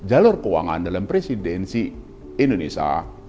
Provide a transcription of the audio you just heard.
jalur keuangan dalam presidensi indonesia